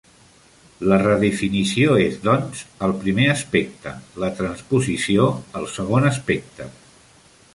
La redefinició és, doncs, el primer aspecte; la transposició, el segon aspecte.